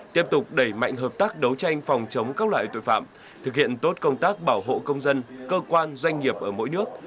tiếp tục đẩy mạnh hợp tác đấu tranh phòng chống các loại tội phạm thực hiện tốt công tác bảo hộ công dân cơ quan doanh nghiệp ở mỗi nước